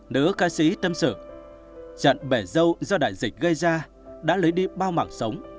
nữ ca sĩ tâm sự trận bẻ dâu do đại dịch gây ra đã lấy đi bao mạng sống